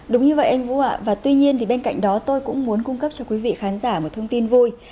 đúng như vậy anh vũ ạ và tuy nhiên bên cạnh đó tôi cũng muốn cung cấp cho quý vị khán giả một thông tin vui